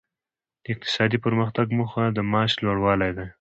د اقتصادي پرمختګ موخه د معاش لوړوالی دی.